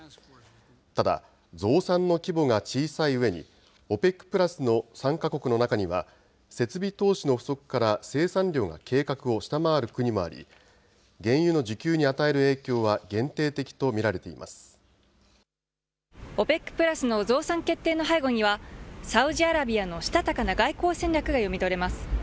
ただ、増産の規模が小さいうえにＯＰＥＣプラスの３か国の中には設備投資の不足から生産量が計画を下回る国もあり原油の需給に与える影響はＯＰＥＣプラスの増産決定の背後にはサウジアラビアのしたたかな外交戦略が読み取れます。